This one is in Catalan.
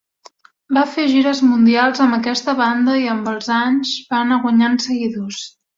Va fer gires mundials amb aquesta banda i amb els anys, va anar guanyant seguidors.